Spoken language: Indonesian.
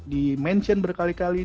di mention berkali kali